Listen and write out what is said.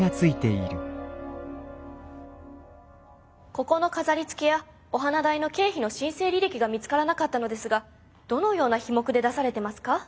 ここの飾りつけやお花代の経費の申請履歴が見つからなかったのですがどのような費目で出されてますか？